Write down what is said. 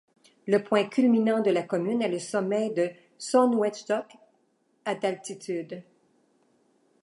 Le point culminant de la commune est le sommet de Sonnwendjoch à d'altitude.